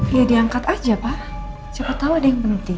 ya diangkat aja pak siapa tau ada yang penting